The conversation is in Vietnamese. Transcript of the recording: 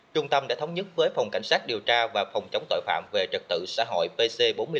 trung tâm đã thống nhất với phòng cảnh sát điều tra và phòng chống tội phạm về trật tự xã hội pc bốn mươi năm